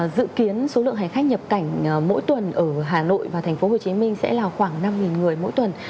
dự kiến số lượng hành khách nhập cảnh mỗi tuần ở hà nội và tp hcm sẽ là khoảng năm người mỗi tuần